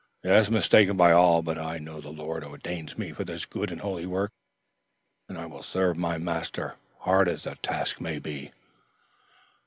"Yes, mistaken by all; but I know the Lord ordains me for this good and holy work, and I will serve my Master, hard as the task may be."